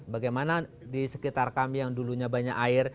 bagaimana di sekitar kami yang dulunya banyak air